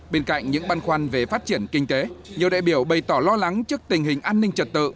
bên cạnh những băn khoăn về phát triển kinh tế nhiều đại biểu bày tỏ lo lắng trước tình hình an ninh trật tự